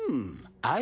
はい！